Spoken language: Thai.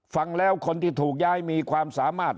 ฟังแล้วคนที่ถูกย้ายมีความสามารถ